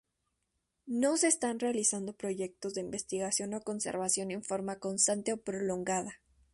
No se están realizando proyectos de investigación o conservación en forma constante o prolongada.